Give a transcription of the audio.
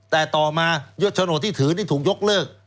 แต่ต่อมายศโฉนดที่ถือนี่ถูกยกเลิก